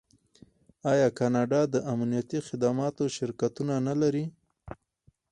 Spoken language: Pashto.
آیا کاناډا د امنیتي خدماتو شرکتونه نلري؟